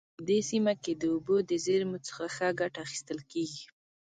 په دې سیمه کې د اوبو د زیرمو څخه ښه ګټه اخیستل کیږي